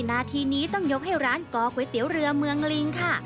นาทีนี้ต้องยกให้ร้านกอก๋วยเตี๋ยวเรือเมืองลิงค่ะ